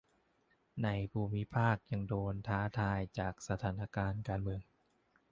ในภูมิภาคยังโดนท้าทายจากสถานการณ์การเมือง